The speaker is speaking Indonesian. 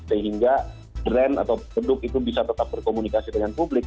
sehingga brand atau produk itu bisa tetap berkomunikasi dengan publik